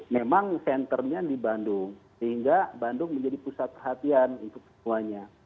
memang senternya di bandung sehingga bandung menjadi pusat perhatian untuk semuanya